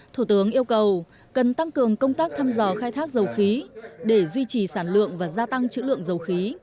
thủ tướng yêu cầu cần tăng cường công tác thăm dò khai thác dầu khí để duy trì sản lượng và gia tăng chữ lượng dầu khí